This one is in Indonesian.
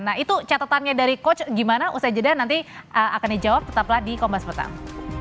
nah itu catatannya dari coach gimana usai jeda nanti akan dijawab tetaplah di komnas pertama